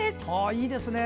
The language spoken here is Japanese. いいですね！